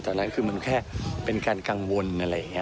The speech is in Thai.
ตอนนั้นคือมันแค่เป็นการกังวลอะไรอย่างนี้